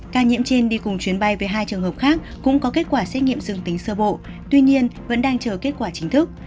ca nhiễm trên đi cùng chuyến bay với hai trường hợp khác cũng có kết quả xét nghiệm dương tính sơ bộ tuy nhiên vẫn đang chờ kết quả chính thức